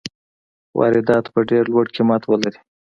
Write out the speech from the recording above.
واردات به ډېر لوړ قیمت ولري.